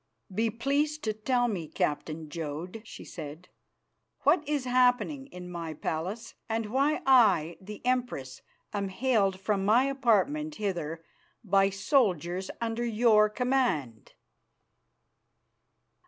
"Be pleased to tell me, Captain Jodd," she said, "what is happening in my palace, and why I, the Empress, am haled from my apartment hither by soldiers under your command?"